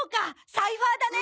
サイファーだね！